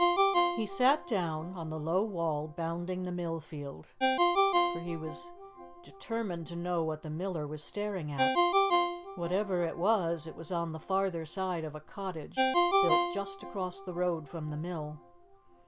He sat down on the low wall bounding the mill field, for he was determined to know what the miller was staring at. Whatever it was, it was on the farther side of a cottage built just across the road from the mill.